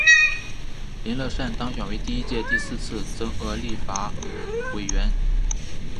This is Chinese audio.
林乐善当选为第一届第四次增额立法委员。